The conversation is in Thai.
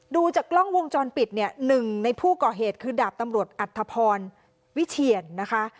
ดูจากกล้องวงจรปิดเนี่ยหนึ่งในผู้ก่อเหตุคือดาบตำรวจอัธพรวิเชียนนะคะ